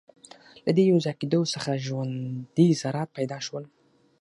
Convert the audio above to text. له دې یوځای کېدو څخه ژوندۍ ذرات پیدا شول.